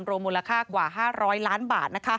มูลค่ากว่า๕๐๐ล้านบาท